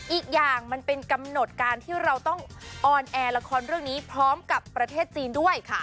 อีกอย่างมันเป็นกำหนดการที่เราต้องออนแอร์ละครเรื่องนี้พร้อมกับประเทศจีนด้วย